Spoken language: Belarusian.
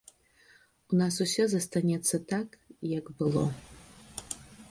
У нас усё застанецца так, як было.